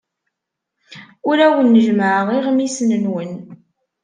Ur awen-jemmɛeɣ iɣmisen-nwen.